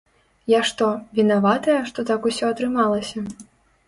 Я што, вінаватая, што так усё атрымалася?